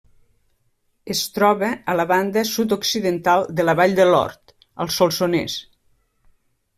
Es troba a la banda sud-occidental de la Vall de Lord, al Solsonès.